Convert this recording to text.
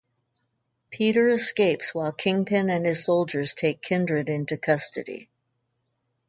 Peter escapes while Kingpin and his soldiers take Kindred into custody.